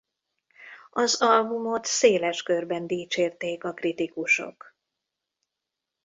Az albumot széles körben dicsérték a kritikusok.